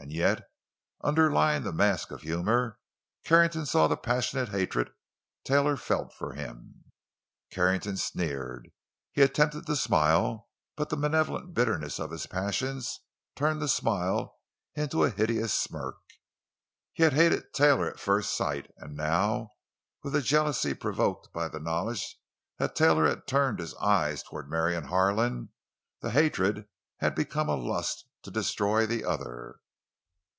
And yet, underlying the mask of humor, Carrington saw the passionate hatred Taylor felt for him. Carrington sneered. He attempted to smile, but the malevolent bitterness of his passions turned the smile into a hideous smirk. He had hated Taylor at first sight; and now, with the jealousy provoked by the knowledge that Taylor had turned his eyes toward Marion Harlan, the hatred had become a lust to destroy the other.